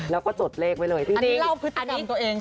แล้วก็จดเลขไว้เลยจริงอันนี้เล่าพฤติธรรมตัวเองใช่ไหม